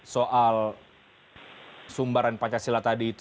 soal sumbaran pancasila tadi itu